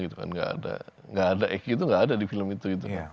tidak ada egy itu tidak ada di dalam film itu